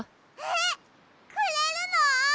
えっくれるの？